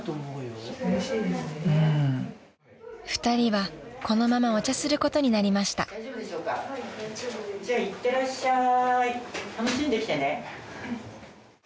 ［２人はこのままお茶することになりました］